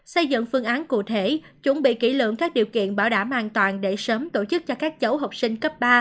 xây dựng phương án cụ thể chuẩn bị kỹ lưỡng các điều kiện bảo đảm an toàn để sớm tổ chức cho các cháu học sinh cấp ba